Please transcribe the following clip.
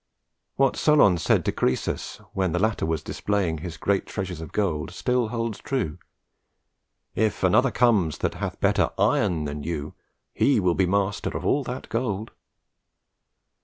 What Solon said to Croesus, when the latter was displaying his great treasures of gold, still holds true: "If another comes that hath better iron than you, he will be master of all that gold."